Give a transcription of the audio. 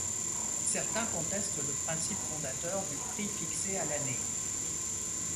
Certains contestent le principe fondateur du prix fixé à l'année.